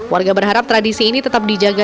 warga berharap tradisi ini tetap dijaga